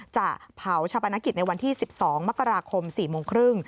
จะเผาชาปนกิจในวันที่๑๒มกราคม๔โมงครึ่ง